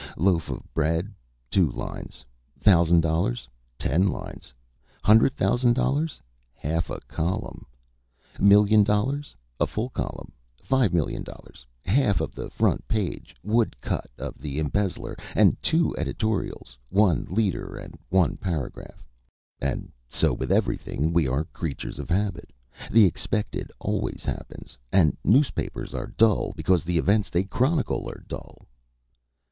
Loaf of bread, two lines. Thousand dollars, ten lines. Hundred thousand dollars, half column. Million dollars, a full column. Five million dollars, half the front page, wood cut of the embezzler, and two editorials, one leader and one paragraph. "And so with everything. We are creatures of habit. The expected always happens, and newspapers are dull because the events they chronicle are dull."